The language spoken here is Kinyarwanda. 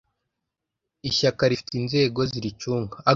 ishyaka rifite inzego ziricunga,